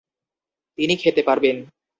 তিনি খেতে পারবেন।